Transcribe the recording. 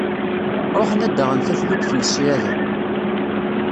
Ruḥen ad d-aɣen taflukt n ssyaḍa.